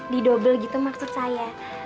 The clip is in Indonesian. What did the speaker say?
di double gitu maksud saya